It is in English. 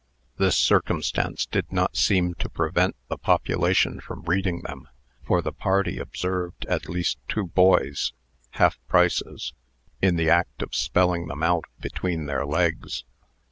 This circumstance did not seem to prevent the population from reading them; for the party observed at least two boys (half prices) in the act of spelling them out between their legs.